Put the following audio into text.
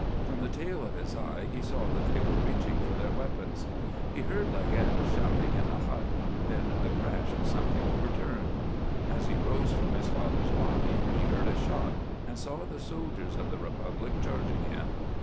From the tail of his eye he saw that they were reaching for their weapons. He heard Laguerre shouting in the hut, then the crash of something overturned. As he rose from his father's body he heard a shot and saw the soldiers of the Republic charging him.